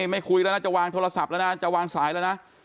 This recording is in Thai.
ไม่คุยแล้วนะจะวางโทรศัพท์แล้วนะจะวางสายแล้วนะ